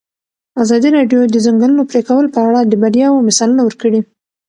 ازادي راډیو د د ځنګلونو پرېکول په اړه د بریاوو مثالونه ورکړي.